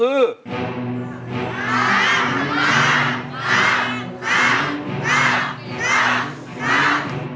เพลงที่๒มาเลยครับ